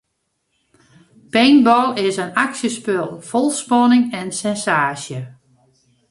Paintball is in aksjespul fol spanning en sensaasje.